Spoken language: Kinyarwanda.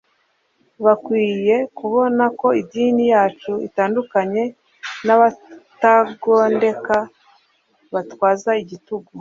Bakwinye kubona ko idini yacu itaduhinduye abatagondeka batwaza igitugu.